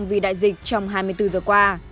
nhiều ca nhiễm ncov đại dịch trong hai mươi bốn giờ qua